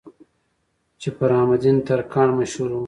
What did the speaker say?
چې پۀ رحم الدين ترکاڼ مشهور وو